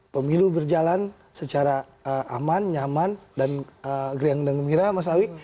pemilu berjalan secara aman nyaman dan geriang dan gembira mas awi